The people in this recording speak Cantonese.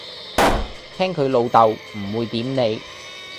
聽佢老竇，唔會點你